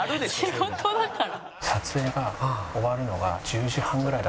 仕事だから。